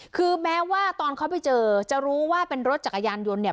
คือแม้ว่าตอนเขาไปเจอจะรู้ว่าเป็นรถจักรยานยนต์เนี่ย